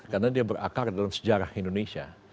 karena dia berakar dalam sejarah indonesia